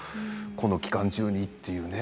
この期間中にって。